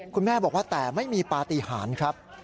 คุณแม่บอกว่าแต่ไม่มีปฏิหารครับ